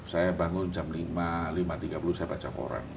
saya bangun jam lima lima tiga puluh saya baca koran